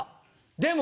でも。